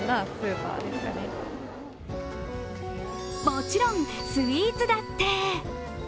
もちろん、スイーツだって！